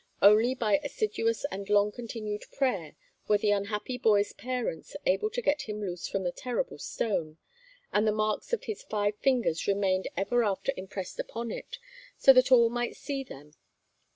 Only by assiduous and long continued prayer were the unhappy boy's parents able to get him loose from the terrible stone, and the marks of his five fingers remained ever after impressed upon it, so that all might see them.